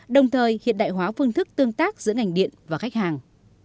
đồng thời hiện đại hóa phương thức tương tác giữa ngành điện và khách hàng